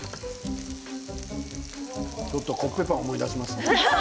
ちょっとコッペパンを思い出しますね。